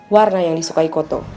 warna yang disukai cotto